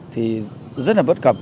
thì rất là bất cập